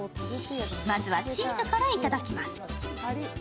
まずはチーズからいただきます。